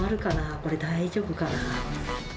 これ、大丈夫かな。